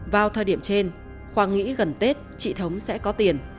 vào thời điểm trên khoa nghĩ gần tết trị thống sẽ có tiền